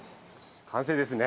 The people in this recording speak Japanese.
完成ですね。